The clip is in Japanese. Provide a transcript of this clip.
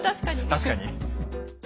確かに。